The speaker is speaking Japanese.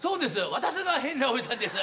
私が変なおじさんです。